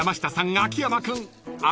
秋山君足